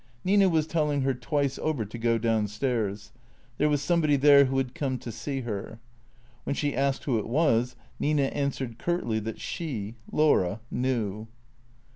Nina was telling her twice over to go down stairs. There was somebody there who had come to see her. Wlien she asked who it was, Nina answered curtly that she, Laura, knew.